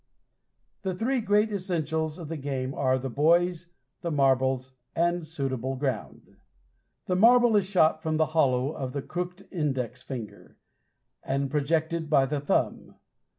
The three great essentials of the game are the boys, the marbles, and suitable ground. The marble is shot from the hollow of the crooked index finger, and projected by the thumb.